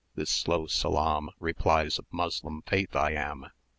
"This low salam Replies of Moslem faith I am.